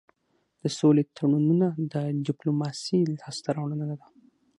د سولې تړونونه د ډيپلوماسی لاسته راوړنه ده.